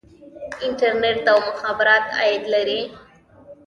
انټرنیټ او مخابرات عاید لري